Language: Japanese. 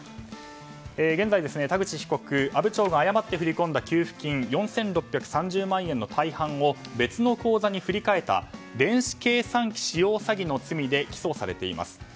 現在、田口被告阿武町が誤って振り込んだ給付金４６３０万円の大半を別の口座に振り替えた電子計算機使用詐欺の罪で起訴されています。